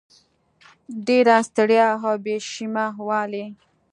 ډېره ستړیا او بې شیمه والی